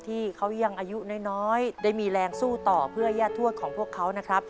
ที่เขายังอายุน้อยได้มีแรงสู้ต่อเพื่อย่าทวดของพวกเขานะครับ